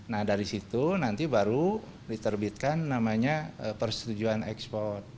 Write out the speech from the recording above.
nah dari situ nanti baru diterbitkan namanya persetujuan ekspor